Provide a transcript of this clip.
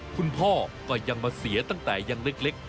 คุณพ่อก็ยังมาเสียตั้งแต่ยังเล็ก